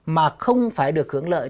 mà không phải được hưởng lợi